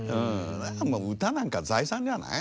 もう歌なんか財産ではない。